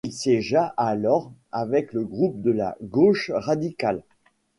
Il siégea alors avec le groupe de la Gauche radicale.